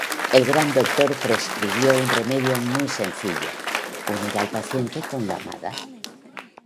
El gran doctor prescribió un remedio muy sencillo: unir al paciente con la amada.